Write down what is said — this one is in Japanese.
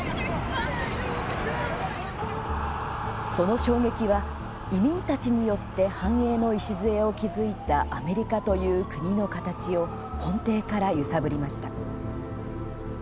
その衝撃は、移民たちによって繁栄の礎を築いたアメリカという国の形を根底から揺さぶりました。